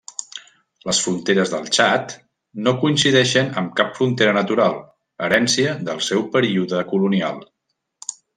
Les fronteres del Txad no coincideixen amb cap frontera natural, herència del seu període colonial.